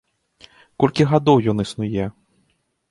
Колькі гадоў ён існуе!